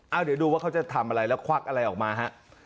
เอาเดี๋ยวดูว่าเขาจะทำอะไรแล้วควักอะไรออกมาฮะ